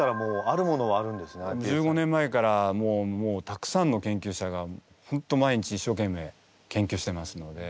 １５年前からもうたくさんの研究者がホント毎日一生懸命研究してますので。